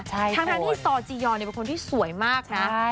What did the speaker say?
ทั้งที่ซอจียอนเป็นคนที่สวยมากนะ